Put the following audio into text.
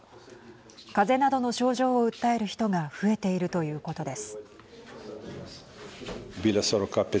かぜなどの症状を訴える人が増えているということです。